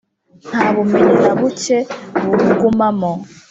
nta bumenyi na buke buwugumamo.